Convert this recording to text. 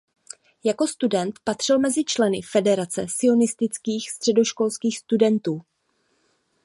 Jako student patřil mezi členy Federace sionistických středoškolských studentů.